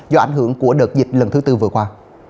do ảnh hưởng của đợt dịch lần thứ tư vừa qua